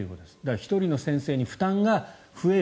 １人の先生に負担が増える。